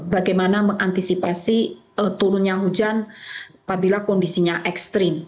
bagaimana mengantisipasi turunnya hujan apabila kondisinya ekstrim